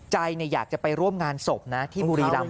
ใจอยากจะไปร่วมงานศพนะที่บุรีรำ